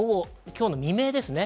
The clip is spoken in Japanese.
今日未明です。